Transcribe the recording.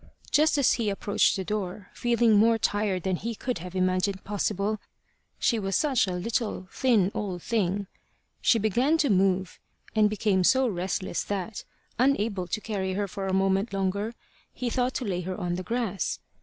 Just as he approached the door, feeling more tired than he could have imagined possible she was such a little thin old thing she began to move, and became so restless that, unable to carry her a moment longer, he thought to lay her on the grass.